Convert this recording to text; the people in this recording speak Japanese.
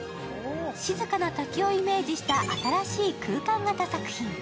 静かな滝をイメージした新しい空間型作品。